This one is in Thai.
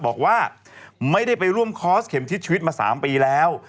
บอกว่าไม่ได้ไปร่วมคอร์สเข็มทิศชีวิตมา๓ปีแล้ว